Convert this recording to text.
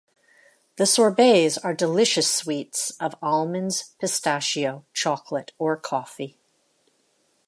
The sorbets are delicious sweets of almonds, pistachio, chocolate, or coffee.